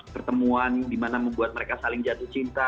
pertemuan dimana membuat mereka saling jatuh cinta